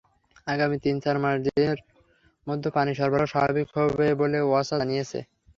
আগামী তিন-চার দিনের মধ্যে পানি সরবরাহ স্বাভাবিক হবে বলে ওয়াসা জানিয়েছে।